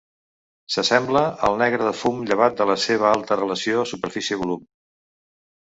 S'assembla al negre de fum llevat de la seva alta relació superfície-volum.